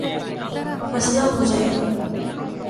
مسلہ ہو جائے گا۔